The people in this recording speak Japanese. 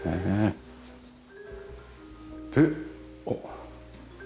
おっ！